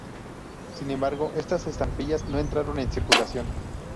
Sin embargo, estas estampillas no entraron en circulación.